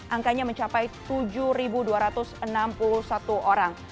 angkanya mencapai tujuh dua ratus enam puluh satu orang